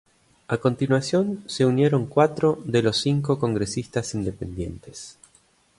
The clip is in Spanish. A continuación se unieron cuatro de los cinco congresistas independientes.